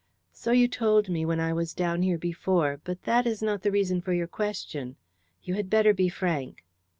"So you told me when I was down here before, but that is not the reason for your question. You had better be frank."